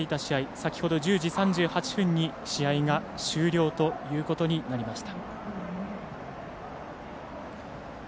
先ほど１０時３８分に試合が終了ということになりました。